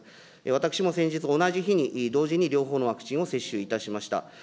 私も先日、同じ日に、同時に両方のワクチンを接種いたしました。